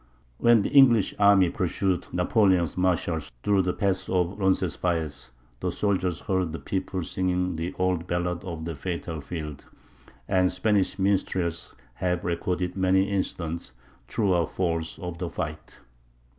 When the English army pursued Napoleon's marshals through the pass of Roncesvalles, the soldiers heard the people singing the old ballad of the fatal field; and Spanish minstrels have recorded many incidents, true or false, of the fight.